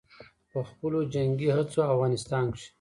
په خپلو جنګي هڅو او افغانستان کښې